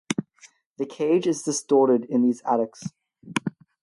The cage is distorted in these adducts.